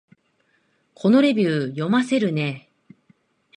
このレビュー、読ませるね